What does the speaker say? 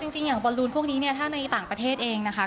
จริงอย่างบอลลูนพวกนี้เนี่ยถ้าในต่างประเทศเองนะคะ